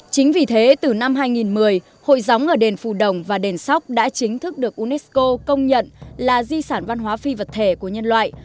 chính vì thế từ năm hai nghìn một mươi hội gióng ở đền phù đồng và đền sóc đã chính thức được unesco công nhận là di sản văn hóa phi vật thể của nhân loại